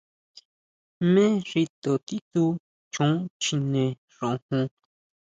¿Jmé xi to titsú choo chine xojon?